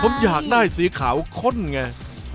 ผมอยากได้สีขาวข้นไง